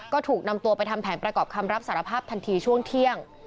ก็ถูกนำตัวไปทำแผนประกอบคำรับสารภาพทันทีช่วงเที่ยง